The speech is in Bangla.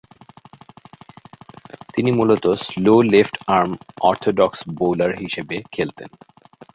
তিনি মূলতঃ slow left arm orthodox bowler হিসেবে খেলতেন।